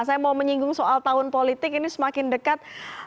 saya mau menyinggung soal tahun politik ini semakin dekat